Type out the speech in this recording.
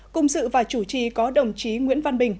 cùng sự và chủ trì có đồng chí nguyễn văn bình